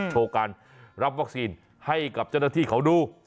โชว์การรับวัคซีนให้กับเจ้าหน้าที่เขาดู